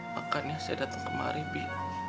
makanya saya datang kemari bi